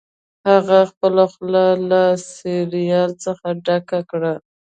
هغه خپله خوله له سیریل څخه ډکه کړه